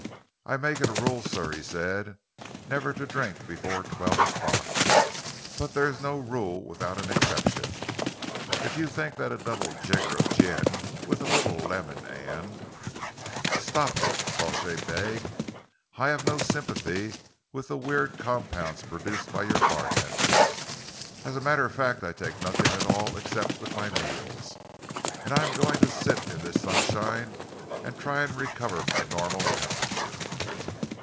"I make it a rule, sir," he said, "never to drink before twelve o'clock, but there is no rule without an exception. If you think that a double jigger of gin, with a little lemon and " "Stop!" Crawshay begged. "I have no sympathy with the weird compounds produced by your bartenders. As a matter of fact, I take nothing at all except with my meals. I am going to sit in this sunshine and try and recover my normal temperature."